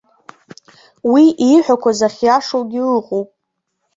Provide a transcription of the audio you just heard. Уи ииҳәақәаз ахьиашоугьы ыҟоуп.